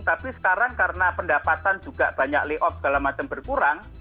tapi sekarang karena pendapatan juga banyak layoff segala macam berkurang